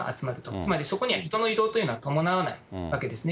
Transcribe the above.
つまり、そこには人の移動というのは伴わないわけですね。